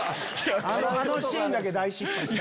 あのシーンだけ大失敗した。